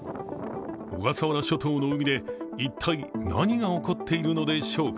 小笠原諸島の海で一体、何が起こっているのでしょうか？